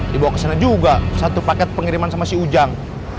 dibawa kesana juga satu paket pengiriman sama si ujang